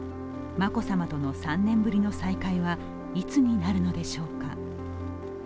眞子さまとの３年ぶりの再会は、いつになるのでしょうか。